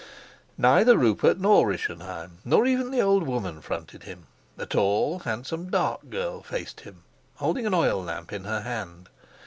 Neither Rupert nor Rischenheim, nor even the old woman fronted him: a tall, handsome, dark girl faced him, holding an oil lamp in her hand.